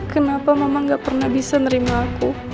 kenapa mama gak pernah bisa nerima aku